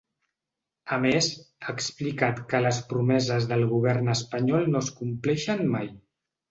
A més, ha explicat que les promeses del govern espanyol no es compleixen mai.